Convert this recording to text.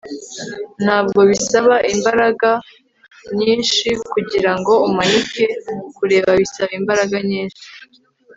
ntabwo bisaba imbaraga nyinshi kugirango umanike. kureka bisaba imbaraga nyinshi